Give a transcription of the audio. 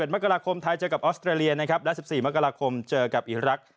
มกราคมไทยเจอกับออสเตรเลียนะครับและ๑๔มกราคมเจอกับอีรักษ